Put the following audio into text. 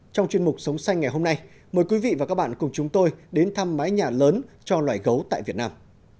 trong chuyên mục sống xanh ngày hôm nay mời quý vị và các bạn cùng chúng tôi đến thăm mái nhà lớn cho loài gấu tại việt nam